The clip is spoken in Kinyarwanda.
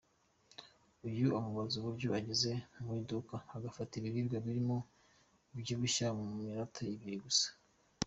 Uyu amubaza uburyo ageze mu iduka agafata ibiribwa birimo ibibyibushya mu minota ibiri gusa.